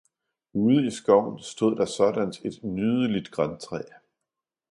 Ude i skoven stod der sådant et nydeligt grantræ.